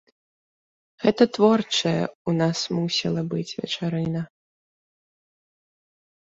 Гэта творчая ў нас мусіла быць вечарына.